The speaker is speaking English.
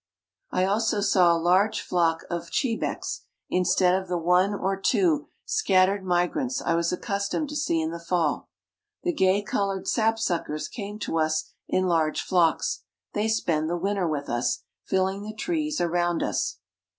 I also saw a large flock of chebecs instead of the one or two scattered migrants I was accustomed to see in the fall. The gay colored sapsuckers came to us in large flocks they spend the winter with us filling the trees around us.